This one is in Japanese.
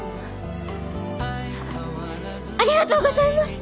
ありがとうございます！